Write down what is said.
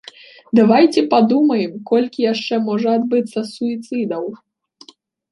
Давайце падумаем, колькі яшчэ можа адбыцца суіцыдаў.